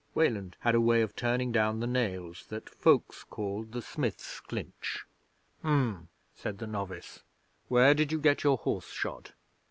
(Weland had a way of turning down the nails that folks called the Smith's Clinch.) '"H'm!" said the novice. "Where did you get your horse shod?"